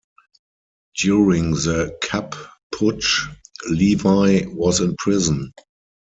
During the Kapp Putsch Levi was in prison.